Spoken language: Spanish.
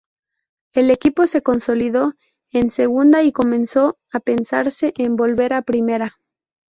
El equipo se consolidó en Segunda y comenzó a pensarse en volver a Primera.